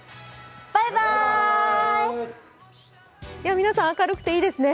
皆さん、明るくていいですね。